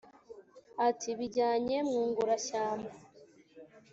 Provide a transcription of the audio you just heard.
ati :bijyanye mwungura-shyamba ,